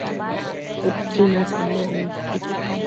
Utsi natiambo bunquid